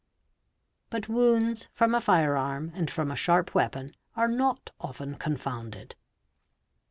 But wounds from a fire arm and from a sharp weapon are not often confounded.